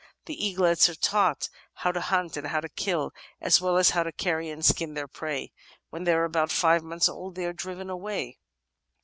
The eaglets are taught how to hunt and how to kill, as well as how to carry and skin their prey. When they are about five months old they are driven away.